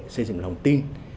xây dựng lòng tin